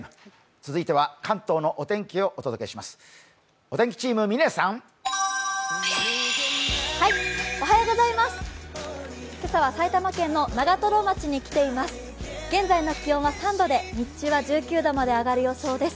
続いては関東のお天気をお伝えします。